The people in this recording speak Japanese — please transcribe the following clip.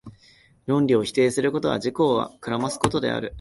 論理を否定することは、自己を暗ますことである。